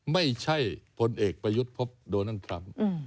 ไม่ใช่ผลเอกประยุทธ์พบโดนันทรัมพ์